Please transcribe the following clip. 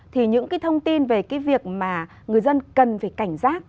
thì những cái thông tin về cái việc mà người dân cần phải cảnh giác